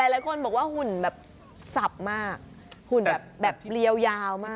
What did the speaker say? หลายคนบอกว่าหุ่นแบบสับมากหุ่นแบบเรียวยาวมาก